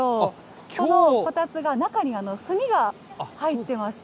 このこたつが、中に炭が入ってまして。